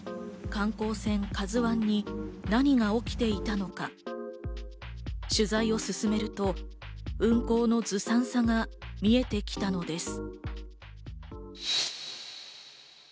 観光船「ＫＡＺＵ１」に何が起きていたのか取材を進めると運航のずさんさんが見えてきたのです。